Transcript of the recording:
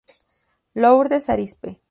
Lourdes Arizpe.